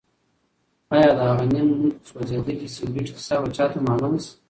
ایا د هغه نیم سوځېدلي سګرټ کیسه به چا ته معلومه شي؟